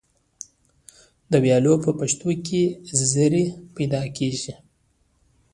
د ویالو په پشتو کې زرۍ پیدا کیږي.